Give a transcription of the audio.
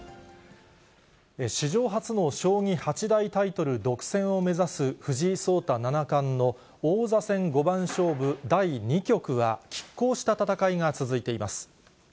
史上初の将棋八大タイトル独占を目指す藤井聡太七冠の王座戦五番勝負第２局は、きっ抗した戦いが続いています。